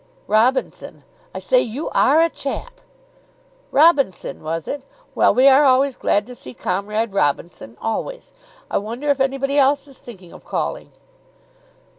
"Robinson. I say, you are a chap!" "Robinson, was it? Well, we are always glad to see Comrade Robinson, always. I wonder if anybody else is thinking of calling?"